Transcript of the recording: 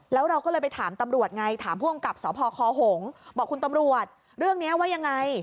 แล้วเราก็เลยไปถามตำรวจไงถามผู้กำกับสพคหงบอกคุณตำรวจเรื่องนี้ว่ายังไง